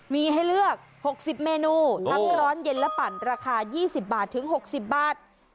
มีให้เลือก๖๐เมนูทั้งร้อนเย็นและปั่นราคา๒๐บาทถึง๖๐บาท